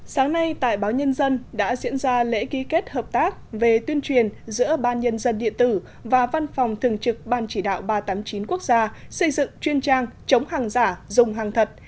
sáng nay tại báo nhân dân đã diễn ra lễ ký kết hợp tác về tuyên truyền giữa ban nhân dân điện tử và văn phòng thường trực ban chỉ đạo ba trăm tám mươi chín quốc gia xây dựng chuyên trang chống hàng giả dùng hàng thật